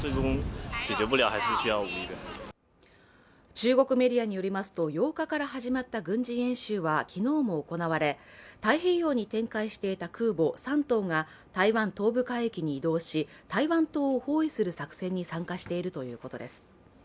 中国メディアによりますと８日から始まった軍事演習は昨日も行われ太平洋に展開していた空母「山東」が台湾東部海域に移動し台湾島を包囲する作戦に参加しているということです。